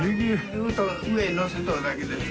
ずっと上にのせとるだけです。